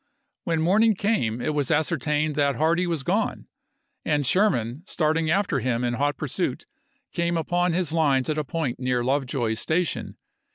When morning came, it was ascertained that Hardee was gone, and Sherman starting after him in hot pursuit, came upon his lines at a point near Love joy's Station.